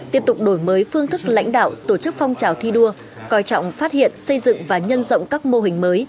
tiếp tục đổi mới phương thức lãnh đạo tổ chức phong trào thi đua coi trọng phát hiện xây dựng và nhân rộng các mô hình mới